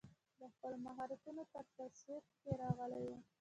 د خپلو مهارتونو پر توصیف کې راغلی و.